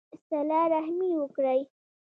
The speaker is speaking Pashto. صلہ رحمي وکړئ